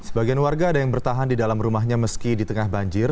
sebagian warga ada yang bertahan di dalam rumahnya meski di tengah banjir